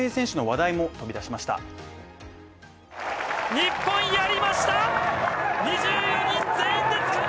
日本やりました。